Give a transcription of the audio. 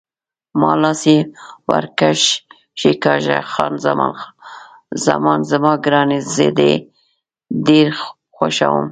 ما لاس یې ور کښېکاږه: خان زمان زما ګرانې، زه دې ډېر خوښوم.